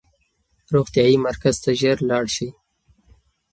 روغتیايي مرکز ته ژر لاړ شئ.